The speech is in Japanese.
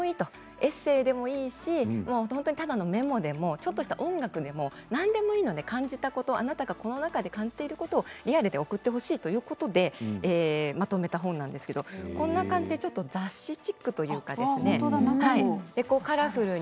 エッセイでもいいし本当にただのメモでもちょっとした音楽でも何でもいいので、感じたことをあなたがコロナ禍で感じていることをリアルで送ってほしいということでまとめた本なんですけど中を見ると雑誌チックというかカラフルに。